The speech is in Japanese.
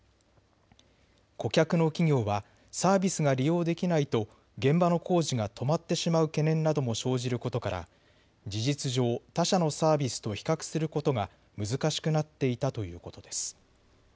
顧客の企業はサービスが利用できないと現場の工事が止まってしまう懸念なども生じることから事実上、他社のサービスと比較することが難しくなっていたということです。